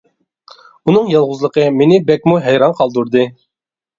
ئۇنىڭ يالغۇزلۇقى مېنى بەكمۇ ھەيران قالدۇردى.